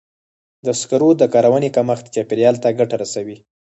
د سکرو د کارونې کمښت چاپېریال ته ګټه رسوي.